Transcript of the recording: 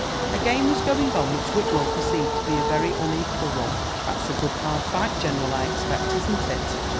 A game was going on which Whillaw perceived to be a very un equal one. That's a good hard fight, general, I expect— isn't it?'"